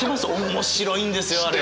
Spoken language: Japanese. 面白いんですよあれ。